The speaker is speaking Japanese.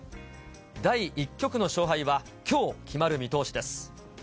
第１局の勝敗はきょう決まる見通しです。